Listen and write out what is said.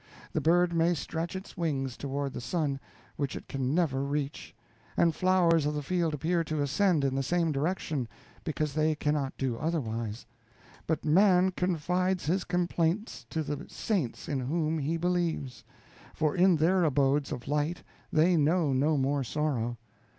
The bird may stretch its wings toward the sun, which it can never reach; and flowers of the field appear to ascend in the same direction, because they cannot do otherwise; but man confides his complaints to the saints in whom he believes; for in their abodes of light they know no more sorrow.